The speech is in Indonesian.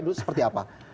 dulu seperti apa